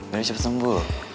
biar cepet sembuh